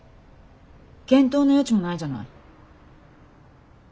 検討の余地もないじゃない。